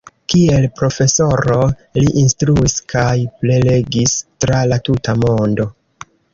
Kiel profesoro li instruis kaj prelegis tra la tuta mondo.